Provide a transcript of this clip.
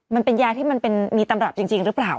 มันเป็นยาที่มันมีตำรับจริงหรือเปล่า